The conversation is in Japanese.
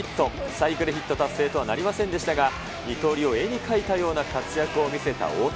サイクルヒット達成とはなりませんでしたが、二刀流を絵に描いたような活躍を見せた大谷。